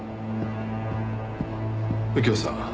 右京さん